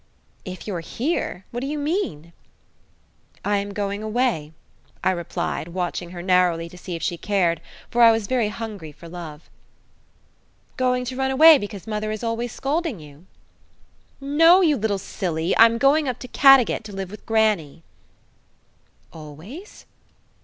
"If you are here! What do you mean?" "I am going away," I replied, watching her narrowly to see if she cared, for I was very hungry for love. "Going to run away becauses mother is always scolding you?" "No, you little silly! I'm going up to Caddagat to live with grannie." "Always?"